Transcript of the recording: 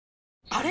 あれ？